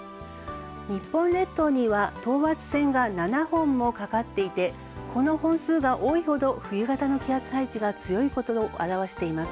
日本列島には等圧線が７本もかかりこの本数が多いほど冬型の気圧配置が強いことを表します。